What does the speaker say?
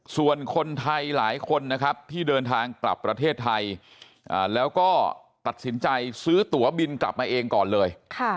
ส่วนคนไทยหลายคนนะครับที่เดินทางกลับประเทศไทยแล้วก็ตัดสินใจซื้อตัวบินกลับมาเองก่อนเลย